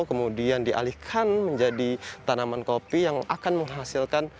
kemudian dialihkan menjadi tanaman kopi yang akan menghasilkan